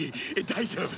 大丈夫。